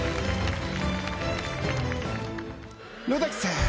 野崎さん